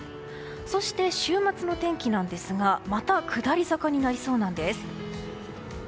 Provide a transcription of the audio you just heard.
そして、週末の天気ですがまた下り坂になりそうです。